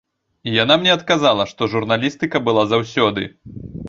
Яна мне адказала, што журналістыка была заўсёды.